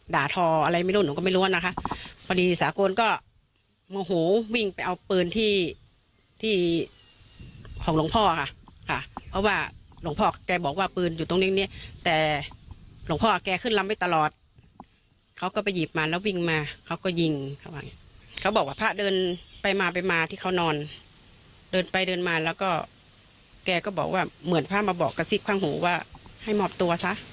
ด่าธออะไรไม่รู้ส่งไปรวมก็ไม่รู้นะคะ